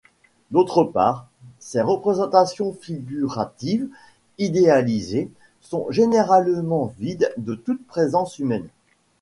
D'autre part, ces représentations figuratives idéalisées sont généralement vides de toute présence humaine.